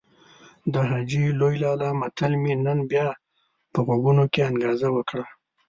د حاجي لوی لالا متل مې نن بيا په غوږونو کې انګازه وکړه.